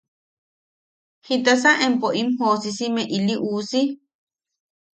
¿Jitasa empo im joʼosisime ili uusi?